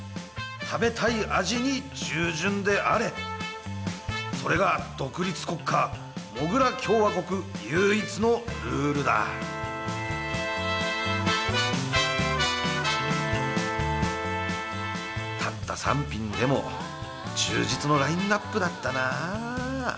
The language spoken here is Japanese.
食べたい味に従順であれそれが独立国家もぐら共和国唯一のルールだたった３品でも充実のラインナップだったなあ